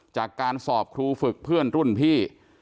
จากการสอบครูฝึกเพื่อนรุ่นพี่